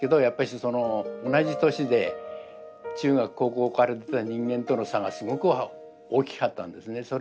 やっぱしその同じ年で中学高校からやってた人間との差がすごく大きかったんですね。